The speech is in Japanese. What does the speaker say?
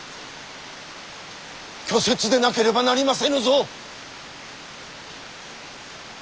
虚説でなければなりませぬぞ！